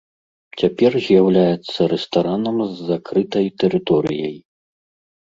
Цяпер з'яўляецца рэстаранам з закрытай тэрыторыяй.